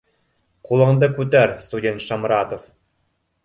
— Ҡулыңды күтәр, студент Шамратов